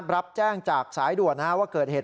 รับแจ้งจากสายด่วนว่าเกิดเหตุ